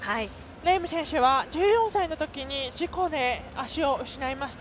レーム選手は１４歳のときに事故で足を失いました。